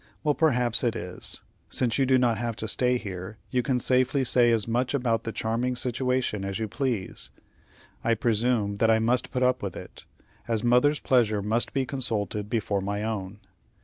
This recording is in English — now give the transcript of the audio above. Well, perhaps it is. Since you do not have to stay here, you can safely say as much about the charming situation as you please. I presume that I must put up with it, as mother's pleasure must be consulted before my own.